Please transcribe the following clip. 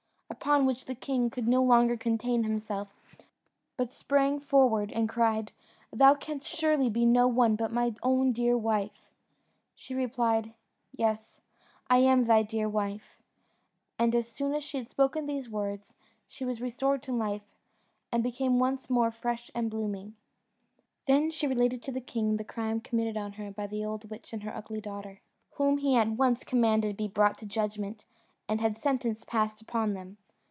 Upon which the king could no longer contain himself, but sprang forward and cried, "Thou canst surely be no one but my own dear wife!" She replied, "Yes, I am thy dear wife;" and as soon as she had spoken these words she was restored to life, and became once more fresh and blooming. Then she related to the king the crime committed on her by the old witch and her ugly daughter, whom he at once commanded to be brought to judgment, and had sentence passed upon them.